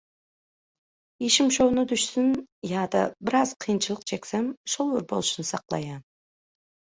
Işim şowuna düşsün ýa-da biraz kynçylyk çeksem – şol bir bolşuny saklaýan